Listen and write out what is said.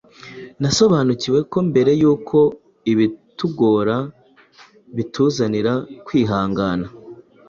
Nasobanukiwe ko mbere y’uko “ibitugora” bituzanira kwihangana,